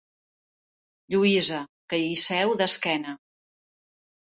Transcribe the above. Lluïsa, que hi seu d'esquena.